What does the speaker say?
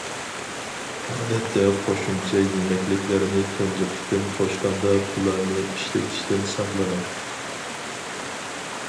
ئادەتتە قوشۇمچە يېمەكلىكلەرنى تۇنجى قېتىم قوشقاندا بۇلارنى ئىشلىتىشتىن ساقلىنىڭ.